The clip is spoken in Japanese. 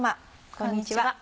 こんにちは。